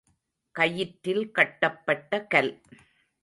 கயிற்றில் கட்டப்பட்ட கல்.